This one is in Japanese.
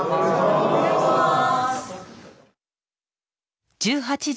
お願いします。